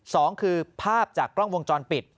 สองคือภาพจากกล้องวงจรปิด